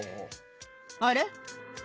あれ？